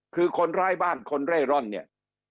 คือคนร้ายบ้านคนเร่ร่อนเนี่ย